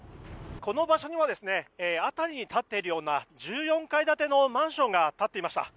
この場所にも辺りに立っているような１４階建てのマンションが立っていました。